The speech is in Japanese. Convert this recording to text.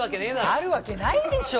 あるわけないでしょ！